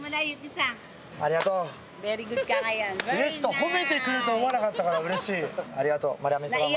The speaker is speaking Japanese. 褒めてくれると思わなかったからうれしいありがとう。